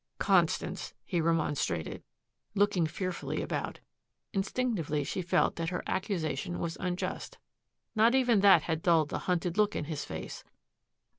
"Constance," he remonstrated, looking fearfully about. Instinctively she felt that her accusation was unjust. Not even that had dulled the hunted look in his face.